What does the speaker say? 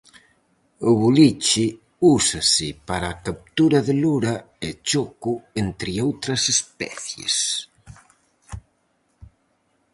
O boliche úsase para a captura de lura e choco entre outras especies.